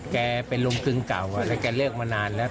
แกเป็นลุงคึงเก่าแล้วแกเลิกมานานแล้ว